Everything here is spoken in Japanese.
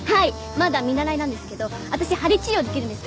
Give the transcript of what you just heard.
まだ見習いなんですけど私はり治療できるんです